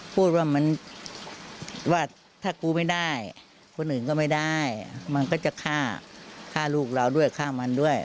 พูดว่ามันว่าถ้ากูไม่ได้คนอื่นก็ไม่ได้มันก็จะฆ่าฆ่าลูกเราด้วยฆ่ามันด้วย